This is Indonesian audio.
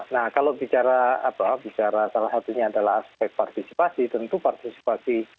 nah kalau bicara salah satunya adalah aspek partisipasi tentu partisipasi